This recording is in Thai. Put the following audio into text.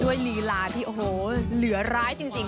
ลีลาที่โอ้โหเหลือร้ายจริง